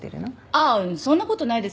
ああそんな事ないです。